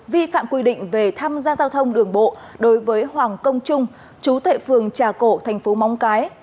vi phạm quy định về tham gia giao thông đường bộ đối với hoàng công trung chú thệ phường trà cổ thành phố móng cái